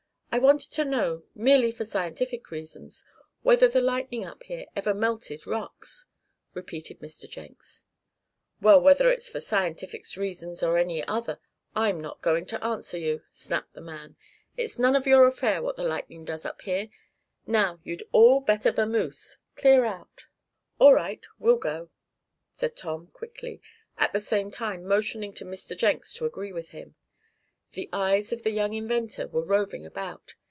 "I wanted to know, merely for scientific reasons, whether the lightning up here ever melted rocks?" repeated Mr. Jenks. "Well, whether it's for scientific reasons or for any other, I'm not going to answer you!" snapped the man. "It's none of your affair what the lightning does up here. Now you'd all better 'vamoose' clear out!" "All right we'll go," said Tom, quickly, at the same time motioning to Mr. Jenks to agree with him. The eyes of the young inventor were roving about.